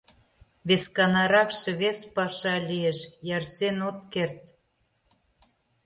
Весканаракше вес паша лиеш, ярсен от керт.